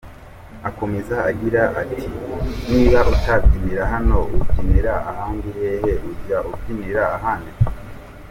Akomeza agira ati “Niba utabyinira hano ubyinira ahandi hehe? Ujya ubyinira ahandi?”.